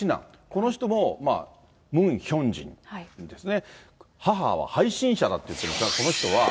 この人もムン・ヒョンジンですね、母は背信者だって言ってますが、この人は。